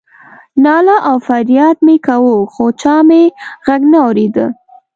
ناله او فریاد مې کاوه خو چا مې غږ نه اورېده.